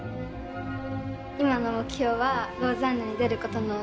今の目標はローザンヌに出ることなので。